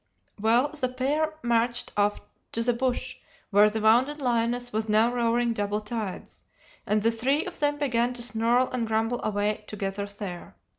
"Well, the pair marched off to the bush, where the wounded lioness was now roaring double tides, and the three of them began to snarl and grumble away together there.